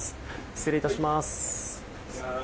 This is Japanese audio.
失礼いたします。